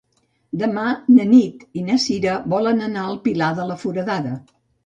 Demà na Nit i na Sira volen anar al Pilar de la Foradada.